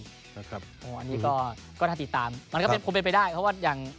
นี่ก็ทันติดตามมันก็เป็นไปได้เพราะว่าอย่าง